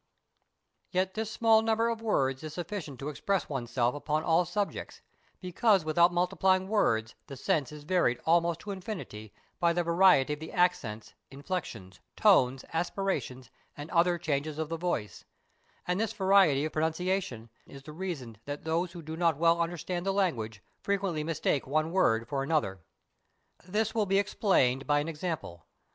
Yet this small number of words is sufl&cient to express oneself upon all subjects, because without multiply ing words the sense is varied almost to infinity by the variety of the accents, inflexions, tones, aspirations, and other changes of the voice ; and this variety of pronun ciation is the reason that those who do not well under stand the language frequently mistake one word for another. This will be explained by an example.